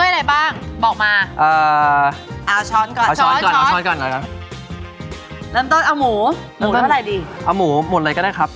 ด้งหูหมดเลยก็ได้ครับ